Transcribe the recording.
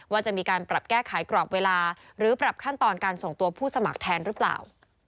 ว่าจะมีการปรับแก้ไขกรอบเวลาหรือปรับขั้นตอนการส่งตัวผู้สมัครแทนหรือเปล่า